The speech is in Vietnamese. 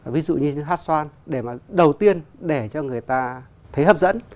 ví dụ như hát xoan để mà đầu tiên để cho người ta thấy hấp dẫn